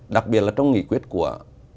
đặc biệt là trong nghị quyết của